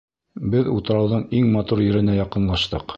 Беҙ утрауҙың иң матур еренә яҡынлаштыҡ.